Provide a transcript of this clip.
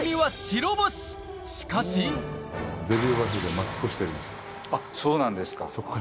しかしあっそうなんですか。